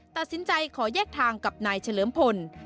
ตัดสินใจขอแยกทางกับนายเฉลิมพล